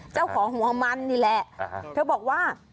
เจ้าของหัวมันนี่แหละเธอบอกว่า